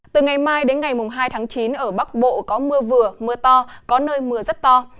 từ ngày mai đến ngày hai tháng chín ở bắc bộ có mưa vừa mưa to có nơi mưa rất to